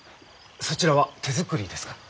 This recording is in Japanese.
そちらは手作りですか？